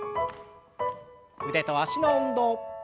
腕と脚の運動。